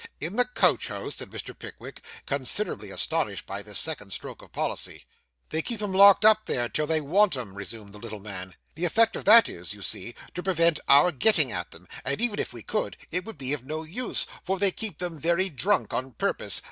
'In the coach house!' said Mr. Pickwick, considerably astonished by this second stroke of policy. 'They keep 'em locked up there till they want 'em,' resumed the little man. 'The effect of that is, you see, to prevent our getting at them; and even if we could, it would be of no use, for they keep them very drunk on purpose.